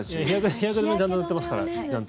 日焼け止めちゃんと塗ってますから。